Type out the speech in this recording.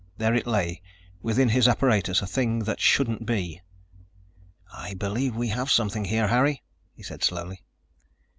There it lay, within his apparatus, a thing that shouldn't be. "I believe we have something there, Harry," he said slowly.